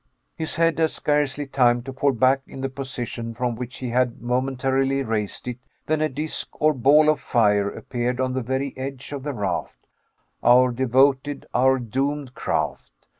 His head had scarcely time to fall back in the position from which he had momentarily raised it than a disk or ball of fire appeared on the very edge of the raft our devoted, our doomed craft.